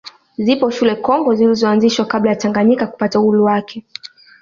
Zipo shule kongwe zilizoanzishwa kabla ya Tanganyika kupata uhuru wake